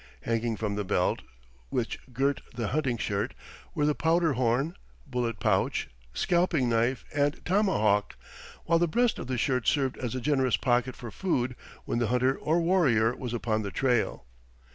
Hanging from the belt, which girt the hunting shirt, were the powder horn, bullet pouch, scalping knife, and tomahawk; while the breast of the shirt served as a generous pocket for food when the hunter or warrior was upon the trail.